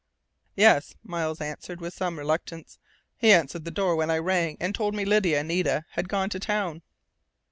"Yes," Miles answered with some reluctance. "He answered the door when I rang and told me Lydia and Nita had gone into town."